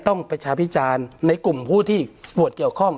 ต้องประชาพิจารในกลุ่มผู้ที่หัวเกี่ยวข้อง